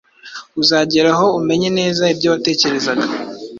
uzagera aho umenye neza ibyo watekerezaga